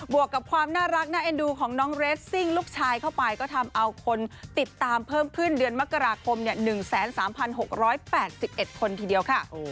วกกับความน่ารักน่าเอ็นดูของน้องเรสซิ่งลูกชายเข้าไปก็ทำเอาคนติดตามเพิ่มขึ้นเดือนมกราคม๑๓๖๘๑คนทีเดียวค่ะ